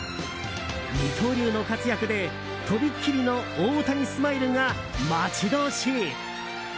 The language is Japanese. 二刀流の活躍で、とびっきりの大谷スマイルが待ち遠しい！